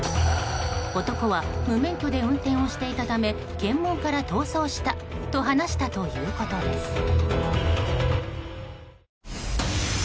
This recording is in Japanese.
男は無免許で運転をしていたため検問から逃走したと話したということです。